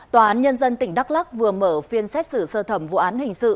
tòa án nhân dân tỉnh đắk lắc vừa mở phiên xét xử sơ thẩm vụ án hình sự